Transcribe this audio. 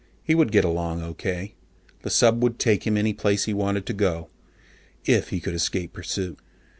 He would get along okay; the sub would take him any place he wanted to go, if he could escape pursuit.